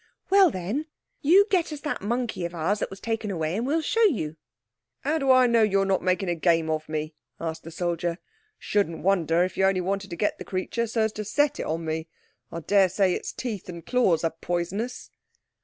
"Well then, you get us that monkey of ours that was taken away, and we'll show you." "How do I know you're not making game of me?" asked the soldier. "Shouldn't wonder if you only wanted to get the creature so as to set it on me. I daresay its teeth and claws are poisonous."